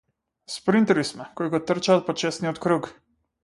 Спринтери сме, кои го трчаат почесниот круг.